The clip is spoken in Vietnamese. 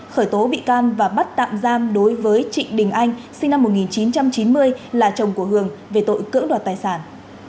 khởi tố bị can và bắt tạm giam đối với trịnh đình anh sinh năm một nghìn chín trăm chín mươi là chồng của hường về tội cưỡng đoạt tài sản